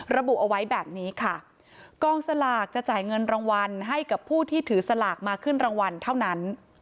ระบุเอาไว้แบบนี้ค่ะกองสลากจะจ่ายเงินรางวัลให้กับผู้ที่ถือสลากมาขึ้นรางวัลเท่านั้น